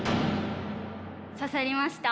刺さりました。